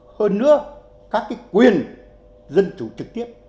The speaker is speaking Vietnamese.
hơn nữa các cái quyền dân chủ trực tiếp